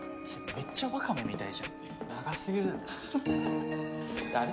めっちゃワカメみたいじゃんね・長すぎだよな・